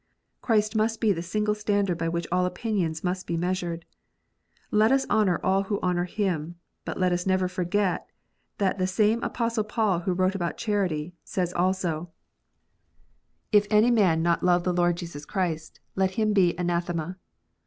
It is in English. Christ must be the single standard by which all opinions must be measured. Let us honour all who honour Him : but let us never forget that the same Apostle Paul who wrote about charity, says also, " If any man love not the Lord ONLY ONE WAY OF SALVATION. 43 Jesus Christ, let him be Anathema."